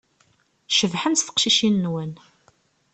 Cebḥent teqcicin-nwen.